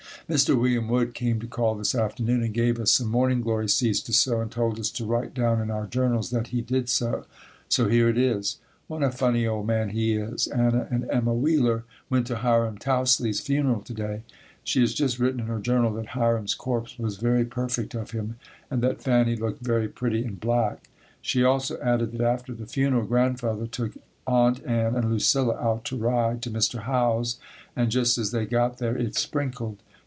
Mr. William Wood came to call this afternoon and gave us some morning glory seeds to sow and told us to write down in our journals that he did so. So here it is. What a funny old man he is. Anna and Emma Wheeler went to Hiram Tousley's funeral to day. She has just written in her journal that Hiram's corpse was very perfect of him and that Fannie looked very pretty in black. She also added that after the funeral Grandfather took Aunt Ann and Lucilla out to ride to Mr. Howe's and just as they got there it sprinkled.